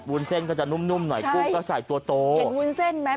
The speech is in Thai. วุ้นเส้นก็จะนุ่มนุ่มหน่อยกุ้งก็ใส่ตัวโตวุ้นเส้นไหม